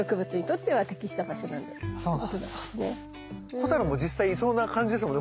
ホタルも実際いそうな感じですもんね。